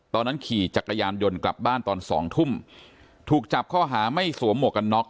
ตอนนั้นขี่จักรยานยนต์กลับบ้านตอนสองทุ่มถูกจับข้อหาไม่สวมหมวกกันน็อก